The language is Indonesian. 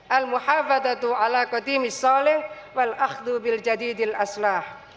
al muhabbatatu alaqatimi sholih wal akhdu biljadidil aslah